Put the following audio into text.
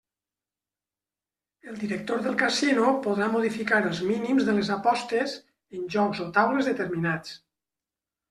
El director del casino podrà modificar els mínims de les apostes en jocs o taules determinats.